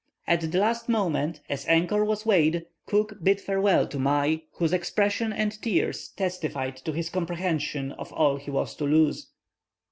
At the last moment as anchor was weighed Cook bid farewell to Mai, whose expression and tears testified to his comprehension of all he was to lose.